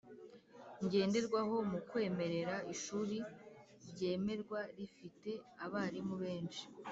ngenderwaho mu kwemerera Ishuri ryemerwa rifite abarimu benshi